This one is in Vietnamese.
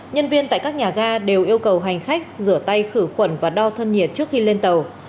nhân viên tại các nhà ga đều yêu cầu hành khách rửa tay khử khuẩn và đo thân nhiệt trước khi lên tàu